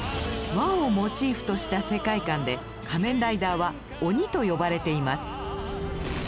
和をモチーフとした世界観で仮面ライダーは「鬼」と呼ばれています。